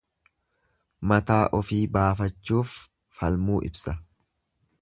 Mataa ofii baafachuuf falmuu ibsa.